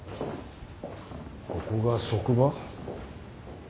ここが職場？